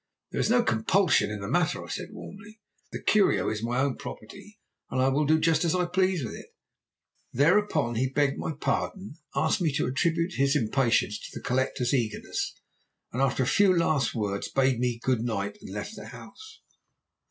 "'There is no compulsion in the matter,' I said warmly. 'The curio is my own property, and I will do just as I please with it.' "He thereupon begged my pardon, asked me to attribute his impatience to the collector's eagerness, and after a few last words bade me 'good night,' and left the house.